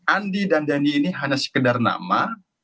andi dan dandi ini hanya sekedar nama